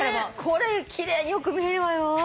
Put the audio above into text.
これ奇麗によく見えるわよ。